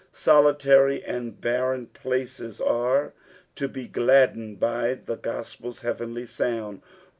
Solitary and barren places are to be gladdened by the gospel's heavenly sound.